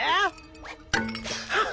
ハッ！